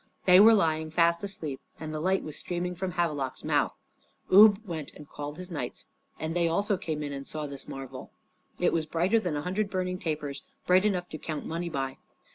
They were lying fast asleep, and the light was streaming from Havelok's mouth. Ubbe went and called his knights, and they also came in and saw this marvel. It was brighter than a hundred burning tapers; bright enough to count money by.